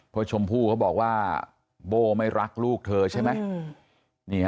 เพราะชมพู่เขาบอกว่าโบ้ไม่รักลูกเธอใช่ไหม